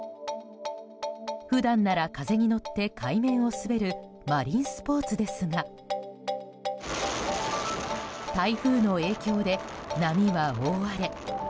普段なら、風に乗って海面を滑るマリンスポーツですが台風の影響で波は大荒れ。